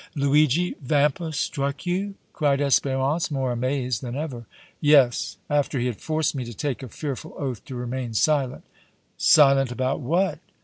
"Luigi Vampa struck you?" cried Espérance, more amazed than ever. "Yes, after he had forced me to take a fearful oath to remain silent!" "Silent about what?